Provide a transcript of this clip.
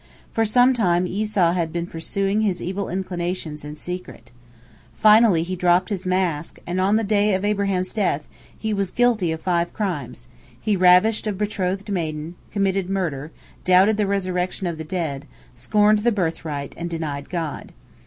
For some time Esau had been pursuing his evil inclinations in secret. Finally he dropped his mask, and on the day of Abraham's death he was guilty of five crimes: he ravished a betrothed maiden, committed murder, doubted the resurrection of the dead, scorned the birthright, and denied God.